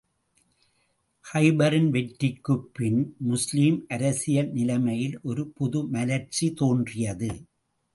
கைபரின் வெற்றிக்குப் பின், முஸ்லிம் அரசியல் நிலைமையில் ஒரு புது மலர்ச்சி தோன்றியது.